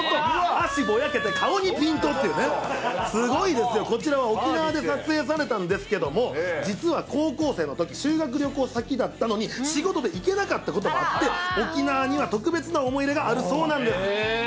足ぼやけて、顔にピントっていうね、すごいですよ、こちらは沖縄で撮影されたんですけれども、実は高校生のとき、修学旅行先だったのに、仕事で行けなかったこともあって、沖縄には特別な思い入れがあるそうなんです。